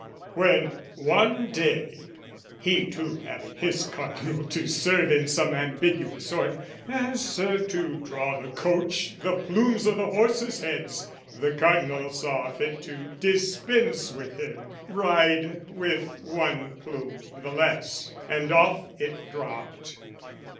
When one day, he too having his Cardinal To serve in some ambiguous sort, as serve To draw the coach the plumes o' the horses' heads, The Cardinal saw fit to dispense with him, Ride with one plume the less; and off it dropped.